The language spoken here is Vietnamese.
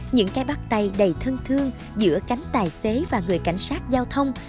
những cái bắt tay đầy thân thương giữa cánh tài xế và người cảnh sát giao thông